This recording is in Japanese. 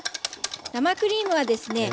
生クリームはですね